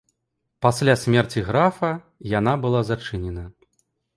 Пасля смерці графа яна была зачынена.